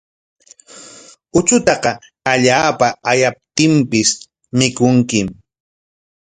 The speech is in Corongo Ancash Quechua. Uchutaqa allaapa ayaptinpis mikunkim.